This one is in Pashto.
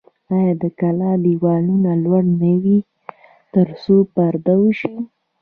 آیا د کلا دیوالونه لوړ نه وي ترڅو پرده وشي؟